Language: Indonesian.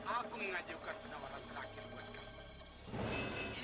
aku mengajukan penawaran terakhir buat kamu